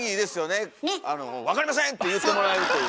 「わかりません！」って言ってもらえるという。